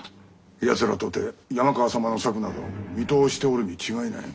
奴らとて山川様の策など見通しておるに違いない。